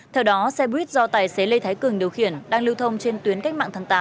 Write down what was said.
theo đó xe buýt do tài xế lê thái cường điều khiển đang lưu thông trên tuyến cách mạng tháng tám